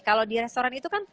kalau di restoran itu kan